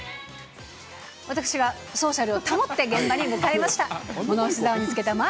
私がソーシャルを保って、現場に向かいました。